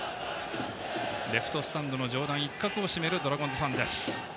レフトスタンドの上段一角を占めるドラゴンズファンです。